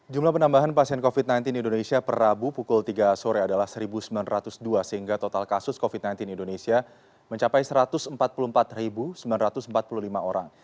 jumlah penambahan pasien covid sembilan belas di indonesia per rabu pukul tiga sore adalah satu sembilan ratus dua sehingga total kasus covid sembilan belas di indonesia mencapai satu ratus empat puluh empat sembilan ratus empat puluh lima orang